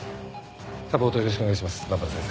サポートよろしくお願いします